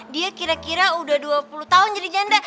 dia kira kira udah dua puluh tahun jadi janda